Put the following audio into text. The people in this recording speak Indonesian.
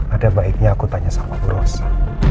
ada baiknya aku tanya sama bu rosa